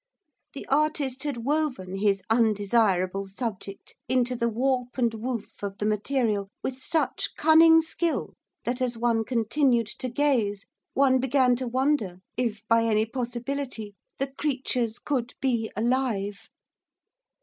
The artist had woven his undesirable subject into the warp and woof of the material with such cunning skill that, as one continued to gaze, one began to wonder if by any possibility the creatures could be alive.